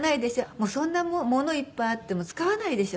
「もうそんなものいっぱいあっても使わないでしょ？